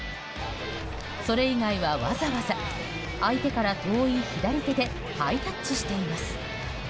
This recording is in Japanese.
それ以外はわざわざ相手から遠い左手でハイタッチしています。